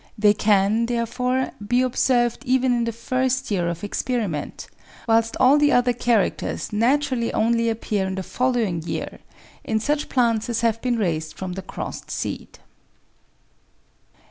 They can, therefore, be observed even in the first year of experiment, whilst all the other characters naturally only appear in the following year in such plants as have been raised from the crossed seed.